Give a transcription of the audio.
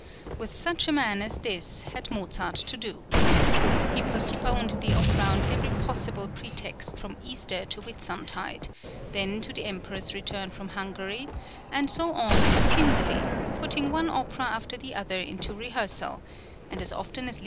With such a man as this had Mozart to do. He postponed the opera on every possible pretext from Easter to Whitsuntide, then to the Emperor's return from Hungary, and so on continually, putting one opera after the other into rehearsal, and as often as L.